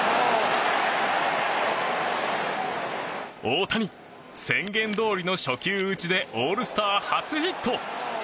大谷、宣言どおりの初球打ちでオールスター初ヒット！